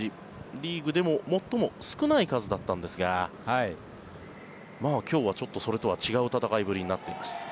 リーグでも最も少ない数だったんですが今日はちょっとそれとは違う戦いぶりになっています。